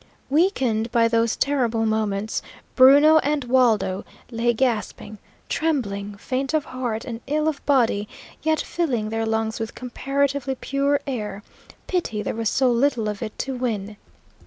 Weakened by those terrible moments, Bruno and Waldo lay gasping, trembling, faint of heart and ill of body, yet filling their lungs with comparatively pure air, pity there was so little of it to win!